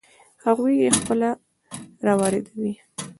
هغوی یې خپله را واردوي.